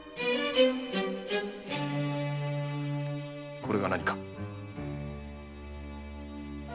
これが何か？